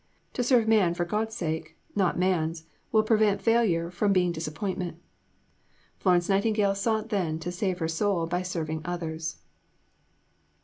To serve man for God's sake, not man's, will prevent failure from being disappointment." Florence Nightingale sought then to save her soul by serving others.